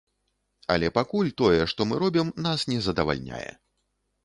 Але пакуль тое, што мы робім, нас не задавальняе.